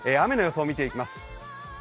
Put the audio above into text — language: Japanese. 雨の予想を見ていきます。